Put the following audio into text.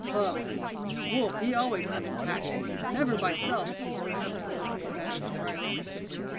"Huh! wolf he always hunt in pack, never by self," observed Sebattis, drily.